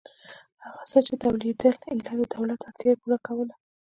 هغه څه چې تولیدېدل ایله د دولت اړتیا یې پوره کوله.